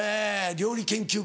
料理研究家です。